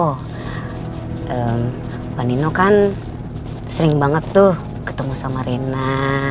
oh pak nino kan sering banget tuh ketemu sama rina